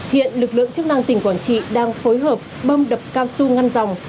hiện lực lượng chức năng tỉnh quảng trị đang phối hợp bơm đập cao su ngăn dòng